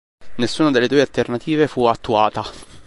Nessuna delle due alternative fu attuata.